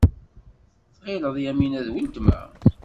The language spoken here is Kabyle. Tɣileḍ Yamina d weltma.